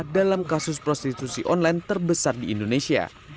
dalam kasus prostitusi online terbesar di indonesia